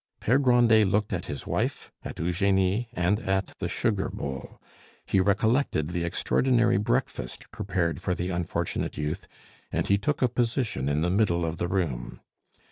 Pere Grandet looked at his wife, at Eugenie, and at the sugar bowl. He recollected the extraordinary breakfast prepared for the unfortunate youth, and he took a position in the middle of the room.